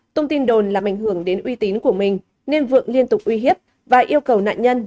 tông tin đồn làm ảnh hưởng đến uy tín của mình nên vượng liên tục uy hiếp và yêu cầu nạn nhân